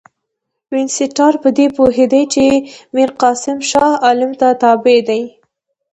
وینسیټارټ په دې پوهېدی چې میرقاسم شاه عالم ته تابع دی.